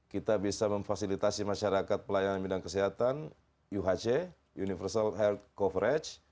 kita bisa memfasilitasi masyarakat pelayanan bidang kesehatan uhc universal health coverage